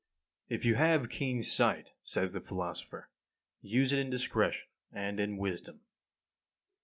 38. If you have keen sight, says the philosopher, use it in discretion and in wisdom.